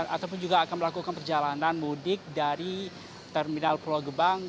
ataupun juga akan melakukan perjalanan mudik dari terminal pulau gebang